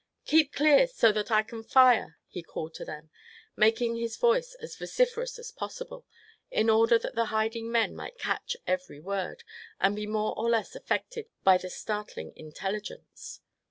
"Keep clear, so that I can fire!" he called to them, making his voice as vociferous as possible, in order that the hiding men might catch every word, and be more or less affected by the startling intelligence.